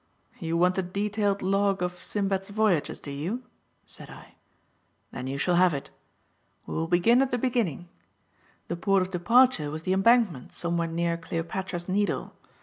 "You want a detailed log of Sinbad's voyages, do you?" said I. "Then you shall have it. We will begin at the beginning. The port of departure was the Embankment somewhere near Cleopatra's Needle.